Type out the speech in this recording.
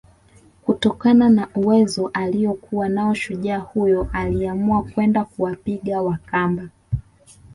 kutokana na uwezo aliokuwa nao shujaa huyo aliamua kwenda kuwapiga Wakamba